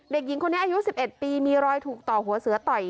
เด็กหญิงคนนี้อายุ๑๑ปีมีรอยถูกต่อหัวเสือต่อย